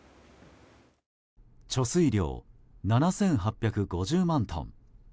貯水量７８５０万トン。